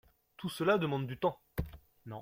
Tout cela demande du temps.